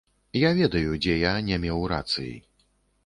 Я ведаю, дзе я не меў рацыі.